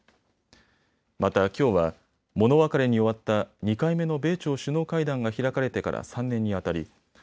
またきょうは物別れに終わった２回目の米朝首脳会談が開かれてから３年にあたり